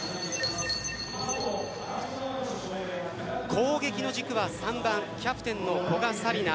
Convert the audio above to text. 攻撃の軸は３番・キャプテンの古賀紗理那。